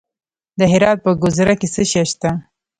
د هرات په ګذره کې څه شی شته؟